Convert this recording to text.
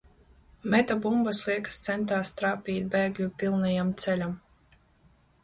Meta bumbas, liekas centās trāpīt bēgļu pilnajam ceļam.